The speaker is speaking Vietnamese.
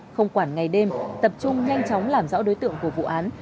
không quản ngày đêm tập trung nhanh chóng làm rõ đối tượng của vụ án